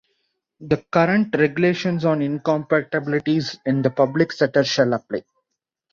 The current regulations on the incompatibilities in the public sector shall apply.